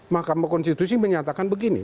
mahkamah konstitusi menyatakan begini